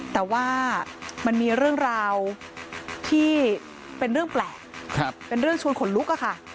แต่ว่ามันมีเรื่องราวที่เป็นเรื่องแปลกเป็นเรื่องชวนขนลุกอะค่ะ